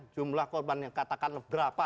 jumlah korban yang katakanlah berapa